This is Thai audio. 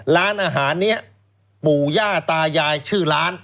ร้านอาหารนี้ปู่ย่าตายายชื่อร้าน